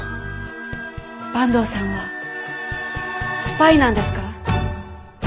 坂東さんはスパイなんですか？